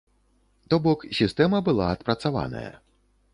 То бок, сістэма была адпрацаваная.